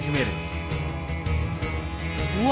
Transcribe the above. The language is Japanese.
うわ！